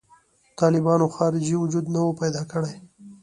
طالبانو خارجي وجود نه و پیدا کړی.